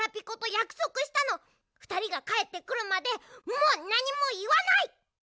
ふたりがかえってくるまでもうなにもいわない！